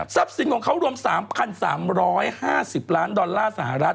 สินของเขารวม๓๓๕๐ล้านดอลลาร์สหรัฐ